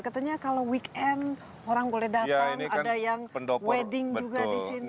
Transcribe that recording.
katanya kalau weekend orang boleh datang ada yang wedding juga di sini